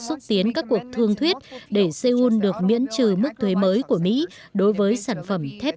xúc tiến các cuộc thương thuyết để seoul được miễn trừ mức thuế mới của mỹ đối với sản phẩm thép